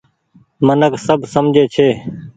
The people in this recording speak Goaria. منک سب سمجهي ڇي۔